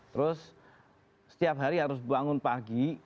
terus setiap hari harus bangun pagi